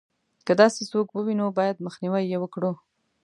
که داسې څوک ووینو باید مخنیوی یې وکړو.